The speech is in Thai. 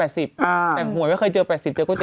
แต่หัวไม่เคยเจอ๘๐เดี๋ยวก็เจอ๘๐